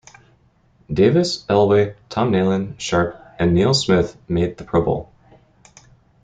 Davis, Elway, Tom Nalen, Sharpe, and Neil Smith made the Pro Bowl.